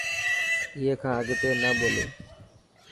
اي کان اگتي نه ٻولي.